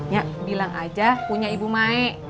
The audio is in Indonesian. ya bilang aja punya ibu mae